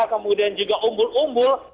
kemudian juga umbul umbul